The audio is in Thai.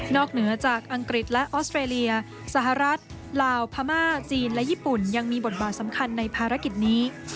เหนือจากอังกฤษและออสเตรเลียสหรัฐลาวพม่าจีนและญี่ปุ่นยังมีบทบาทสำคัญในภารกิจนี้